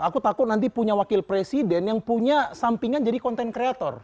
aku takut nanti punya wakil presiden yang punya sampingan jadi content creator